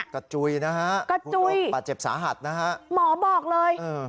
กระจุยนะฮะกระจุย